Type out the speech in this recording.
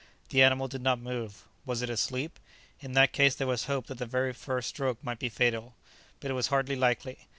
The animal did not move. Was it asleep? In that case there was hope that the very first stroke might be fatal. But it was hardly likely.